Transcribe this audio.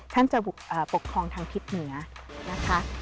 ท่านจะปกครองทางทิศเหนือนะคะ